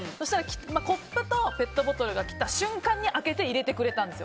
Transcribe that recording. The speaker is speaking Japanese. コップとペットボトルが来た瞬間に開けて入れてくれたんですよ。